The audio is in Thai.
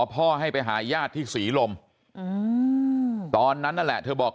พ่อให้ไปหาญาติที่ศรีลมตอนนั้นนั่นแหละเธอบอก